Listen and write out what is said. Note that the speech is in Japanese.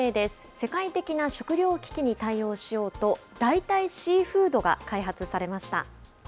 世界的な食料危機に対応しようと、代替シーフードが開発されました。